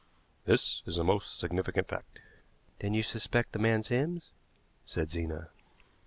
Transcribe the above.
This is a most significant fact." "Then you suspect the man Sims," said Zena.